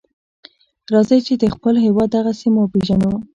راځئ چې د خپل هېواد دغه سیمه وپیژنو.